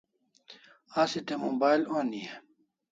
Asi te mobile oni e?